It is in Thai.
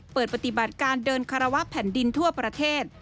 เปิดปฏิบัติการเดินคารวะแผ่นดินทั่วประเทศ